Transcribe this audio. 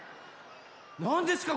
なんですか？